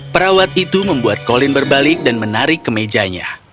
perawat itu membuat colin berbalik dan menarik ke mejanya